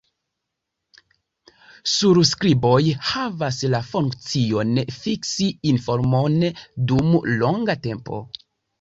Surskriboj havas la funkcion, fiksi informon dum longa tempo.